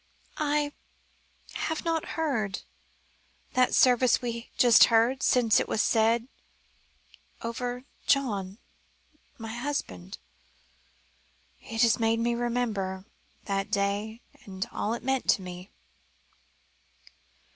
"I have not heard that service we have just heard, since it was said over John my husband. It has made me remember that day and all it meant to me."